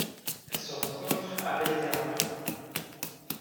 Elle se rencontre à Belterra.